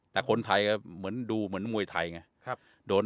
แต่คนไทยก็เหมือนดูเหมือนมวยไทยไง